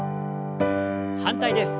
反対です。